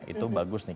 itu bagus nih